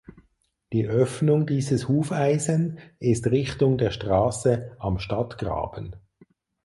Die Öffnung dieses „Hufeisen“ ist Richtung der Straße „Am Stadtgraben“.